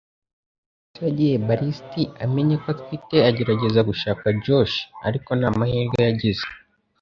Nibyo koko se yagiye ballisti amenye ko atwite agerageza gushaka Josh, ariko ntamahirwe yagize.